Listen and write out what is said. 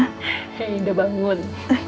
hei udah bangun